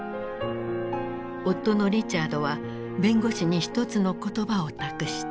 夫のリチャードは弁護士に一つの言葉を託した。